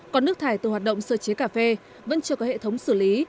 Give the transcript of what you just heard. còn nước thải từ hoạt động sơ chế cà phê vẫn chưa có hệ thống xử lý